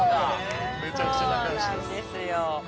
めちゃくちゃ仲良しです。